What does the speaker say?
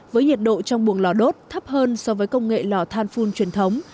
với nhiệt độ trong buồng lò đốt thấp hơn so với công nghệ lò than truyền thống